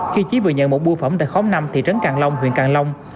khi chí vừa nhận một bưu phẩm tại khóm năm thị trấn càng long huyện càng long